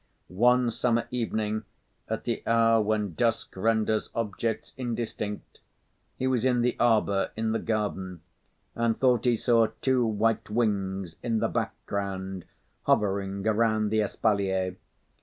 One summer evening, at the hour when dusk renders objects indistinct, he was in the arbour in the garden, and thought he saw two white wings in the background hovering around the espalier.